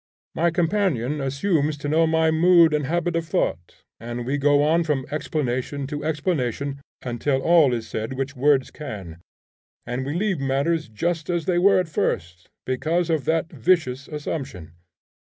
My companion assumes to know my mood and habit of thought, and we go on from explanation to explanation until all is said which words can, and we leave matters just as they were at first, because of that vicious assumption.